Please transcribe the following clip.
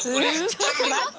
ちょっと待って。